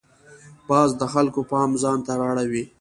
باز د خلکو پام ځان ته را اړوي